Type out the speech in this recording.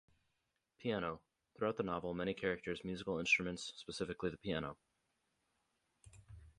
Piano - Throughout the novel many characters' musical instruments, specifically the piano.